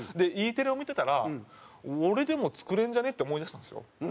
Ｅテレを見てたら俺でも作れんじゃね？って思いだしたんですよ